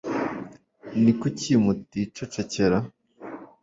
ni kuki muticecekera